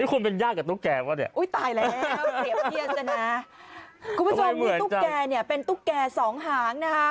คุณผู้ชมกับตุ๊กแกเป็นตุ๊กแกสองหางนะฮะ